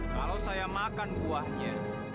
kalau saya makan buahnya